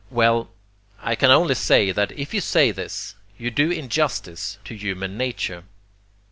Well, I can only say that if you say this, you do injustice to human nature.